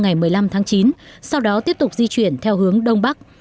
ngày một mươi năm tháng chín sau đó tiếp tục di chuyển theo hướng đông bắc